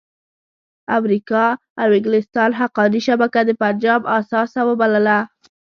امریکا او انګلستان حقاني شبکه د پنجاب اثاثه وبلله.